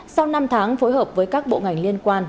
sau năm tháng phối hợp với các bộ ngành liên quan